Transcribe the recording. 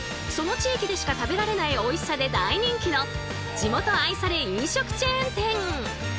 その地域でしか食べられないおいしさで大人気の「地元愛され飲食チェーン店」！